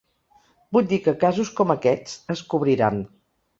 Vull dir que casos com aquests es cobriran.